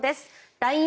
ＬＩＮＥ